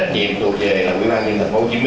mà trách nhiệm thuộc về là ủy ban nhà dân tp hcm